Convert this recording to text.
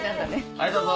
はいどうぞ。